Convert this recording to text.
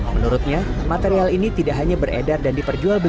menurutnya material ini tidak hanya beredar dan diperjual belikan